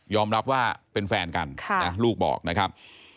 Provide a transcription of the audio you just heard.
รับว่าเป็นแฟนกันลูกบอกนะครับ